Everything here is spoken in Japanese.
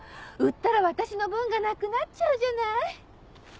売ったら私の分がなくなっちゃうじゃない！